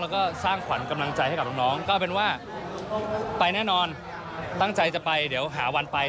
แล้วก็สร้างขวัญกำลังใจให้กับน้องก็เป็นว่าไปแน่นอนตั้งใจจะไปเดี๋ยวหาวันไป